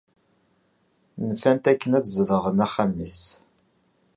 Nfan-t akken ad zedɣen axxam-is.